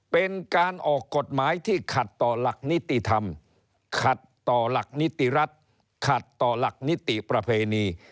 เป็นการออกกฎหมายที่ขัดต่อหลักนิติธรรมขัดต่อหลักนิติรัฐขัดต่อหลักนิติประเพณี